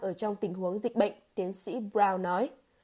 ở trong tình huống dịch bệnh tiến sĩ brown nói